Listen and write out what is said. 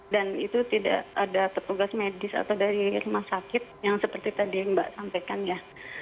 dan itu tidak ada petugas medis atau dari rumah sakit yang seperti tadi mbak sampaikan ya